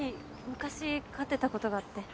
昔飼ってたことがあって。